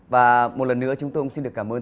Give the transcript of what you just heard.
và một lần nữa chúng tôi cũng xin được cảm ơn